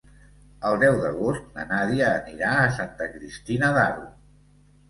El deu d'agost na Nàdia anirà a Santa Cristina d'Aro.